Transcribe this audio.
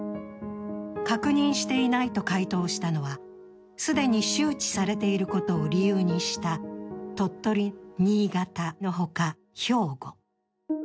確認していないと回答したのは既に周知されていることを理由にした鳥取、新潟の他、兵庫。